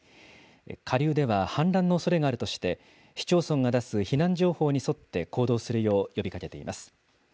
下流では氾濫のおそれがあるとして、市町村が出す避難情報に沿って行動するよう呼びかけています。